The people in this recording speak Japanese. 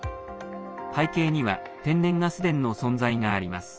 背景には天然ガス田の存在があります。